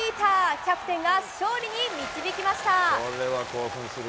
キャプテンが勝利に導きました。